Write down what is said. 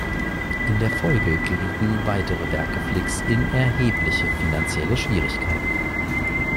In der Folge gerieten weitere Werke Flicks in erhebliche finanzielle Schwierigkeiten.